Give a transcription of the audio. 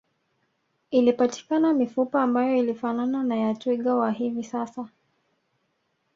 Ilipatikana mifupa ambayo ilifanana na ya twiga wa hivi sasa